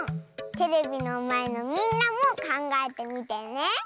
テレビのまえのみんなもかんがえてみてね。